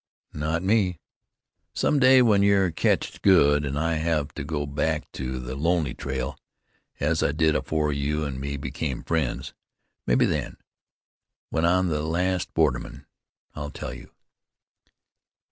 "Not me. Some day, when you're ketched good, an' I have to go back to the lonely trail, as I did afore you an' me become friends, mebbe then, when I'm the last borderman, I'll tell you."